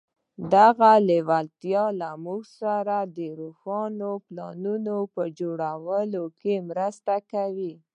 دغه لېوالتیا له موږ سره د روښانه پلانونو په جوړولو کې مرسته کوي.